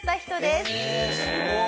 すごい！